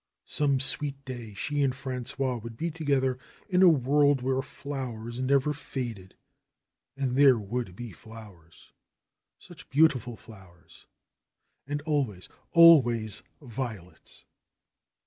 Some sweet day she and Frangois would be together in a world where flowers never faded. And there would be flowers! Such beautiful flowers! And always, always violets